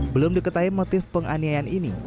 belum diketahui motif penganiayaan ini